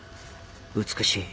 美しい。